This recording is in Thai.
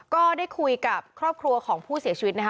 ก็ได้คุยกับครอบครัวของผู้เสียชีวิตนะคะ